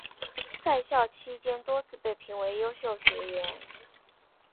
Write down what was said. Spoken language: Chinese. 在校期间多次被评为优秀学员。